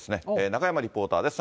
中山リポーターです。